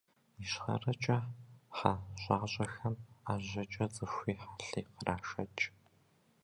Ищхъэрэкӏэ хьэ щӏащӏэхэм ӏэжьэкӏэ цӏыхуи хьэлъи кърашэкӏ.